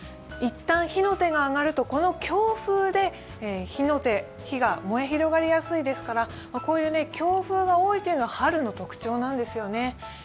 一旦火の手が上がると、この強風で火が燃え広がりやすいですから、こういう強風が多いというのは春の特徴なんですよね。